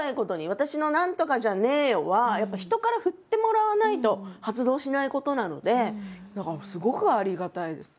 私の「何とかじゃねーよ！」はやっぱ人から振ってもらわないと発動しないことなのでだからすごくありがたいです。